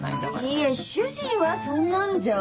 いえ主人はそんなんじゃ。